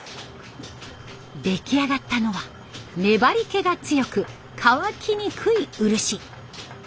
出来上がったのは粘りけが強く乾きにくい漆。